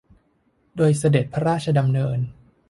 โดยเสด็จพระราชดำเนิน